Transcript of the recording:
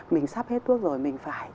mình sắp hết thuốc rồi mình phải